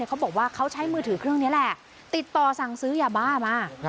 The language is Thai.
เขาบอกว่าเขาใช้มือถือเครื่องนี้แหละติดต่อสั่งซื้อยาบ้ามา